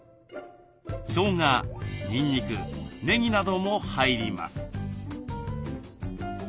しょうがにんにくねぎなども入ります。